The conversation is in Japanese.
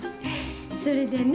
それでね